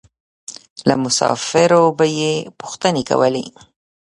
له مسافرو به یې پوښتنې کولې.